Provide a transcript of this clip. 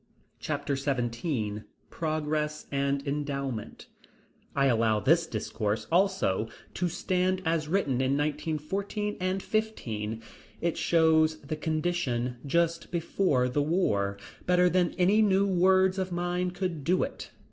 Chapter XVII Progress and Endowment. I allow this discourse, also, to stand as written in 1914 and '15. It shows the condition just before the war, better than any new words of mine could do it.